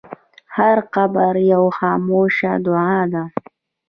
هر قبر یوه خاموشه دعا ده.